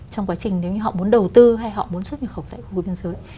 trong quá trình nếu như họ muốn đầu tư hay họ muốn xuất nhập khẩu tại khu vực biên giới